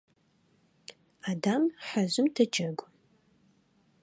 Адам хьэжъым дэджэгу.